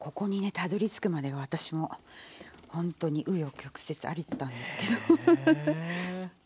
たどりつくまでが私もほんとにう余曲折あったんですけどフフフフ。